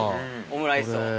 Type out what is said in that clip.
オムライスを。